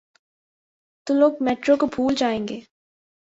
تو لوگ میٹرو کو بھول جائیں گے۔